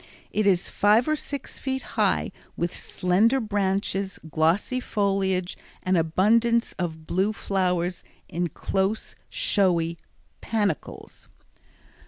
It is five or six feet high with slender branches, glossy foliage, and abundance of blue flowers in close, showy panicles.